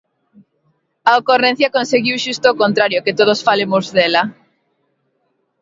A ocorrencia conseguiu xusto o contrario: que todos falemos dela.